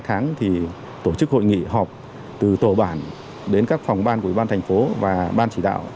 sáu tháng thì tổ chức hội nghị họp từ tổ bản đến các phòng ban của ủy ban thành phố và ban chỉ đạo